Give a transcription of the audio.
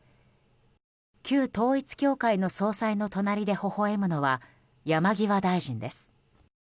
旧統一教会の総裁の隣でほほ笑むのは、山際大臣です。